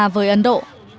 với ấn độ